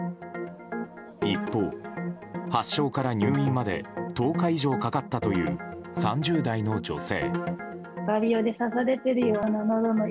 一方、発症から入院まで１０日以上かかったという３０代の女性。